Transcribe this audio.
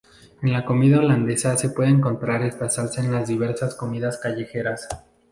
En la cocina holandesa se puede encontrar esta salsa en diversas comidas callejeras.